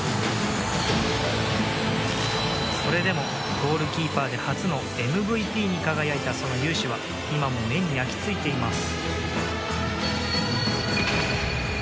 それでもゴールキーパーで初のＭＶＰに輝いたその勇姿は今も目に焼き付いています。